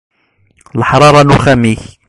Leḥṛaṛa n uxxam-ik.